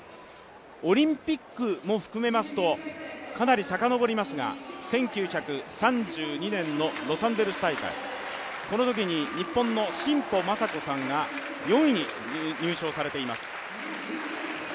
オリンピックも含めますとかなりさかのぼりますが１９３２年のロサンゼルス大会、このときに日本の選手が４位に入賞されています。